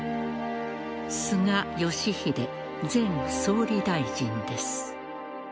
菅義偉前総理大臣です。